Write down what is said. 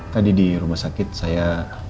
tadi di rumah sakit saya